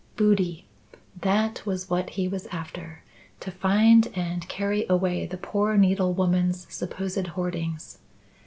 "Booty! That was what he was after; to find and carry away the poor needlewoman's supposed hoardings.